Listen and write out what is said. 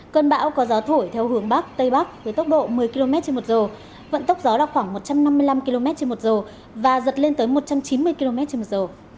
cơn bão có gió thổi theo hướng bắc tây bắc với tốc độ một mươi km trên một giờ vận tốc gió là khoảng một trăm năm mươi năm km trên một giờ và giật lên tới một trăm chín mươi km trên một giờ